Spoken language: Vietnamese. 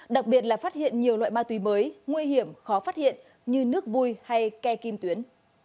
đặc biệt là phát hiện nhiều loại ma túy mới nguy hiểm khó phát hiện như nước vui hay ke kim tuyến